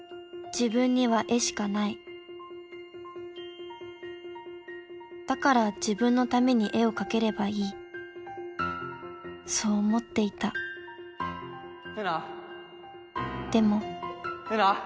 自分には絵しかないだから自分のために絵を描ければいいそう思っていたでもえな！